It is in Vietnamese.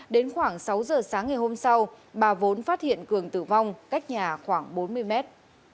đến khoảng sáu giờ sáng ngày hôm sau bà vốn phát hiện cường tử vong cách nhà khoảng bốn mươi mét